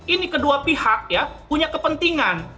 ini kedua pihak ya punya kepentingan